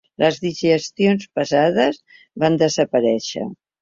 Les digestions pesades van desaparèixer.